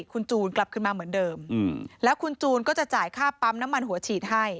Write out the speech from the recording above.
คุณจูนกลับขึ้นมาเหมือนเดิมแล้วคุณจูนก็จะจ่ายค่าปั๊มน้ำมันหัวฉีดให้